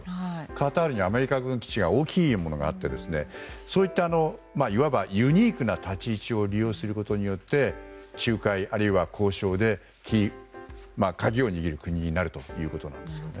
カタールには、アメリカ軍基地の大きなものがあってそういった、いわばユニークな立ち位置を利用することで仲介、あるいは交渉で鍵を握る国になるということなんですね。